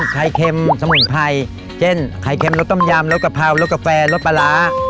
ไข่เค็มรสต้มยำรสกระเภารสกาแฟรสปลาร้า